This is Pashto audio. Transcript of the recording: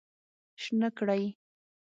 شنه کړی